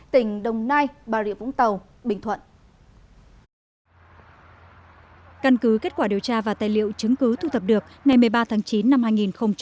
tỉnh đồng nai bà rịa vũng tàu bình thuận